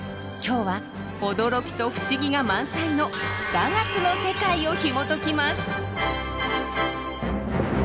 今日は驚きと不思議が満載の雅楽の世界をひもときます。